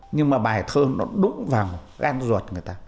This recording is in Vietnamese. nhưng mà bài thơ nó đúng vào gan ruột người ta